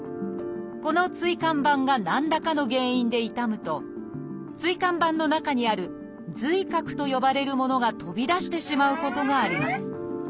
この椎間板が何らかの原因で傷むと椎間板の中にある「髄核」と呼ばれるものが飛び出してしまうことがあります。